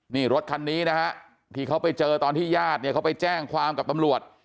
นี่รถคันนี้นะฮะที่เขาไปเจอตอนที่ญาติเนี่ยเขาไปแจ้งความกับตำรวจ